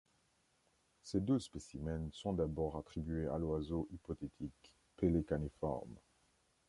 Ces deux spécimens sont d'abord attribués à l'oiseau hypothétique pelecaniformes '.